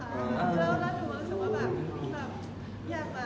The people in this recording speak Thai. อันนี้ผมคิดว่าหนูแรงนะ